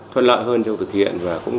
thuận lợi hơn trong thực hiện và cũng